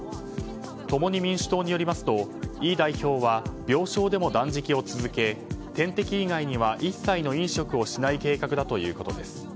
共に民主党によりますとイ代表は病床でも断食を続け点滴以外には一切の飲食をしない計画だということです。